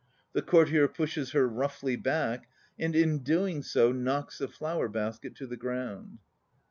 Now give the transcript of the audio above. The courtier pushes her roughly back, and in doing so knocks the flower basket to the ground.